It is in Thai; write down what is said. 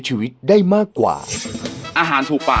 ดูแล้วคงไม่รอดเพราะเราคู่กัน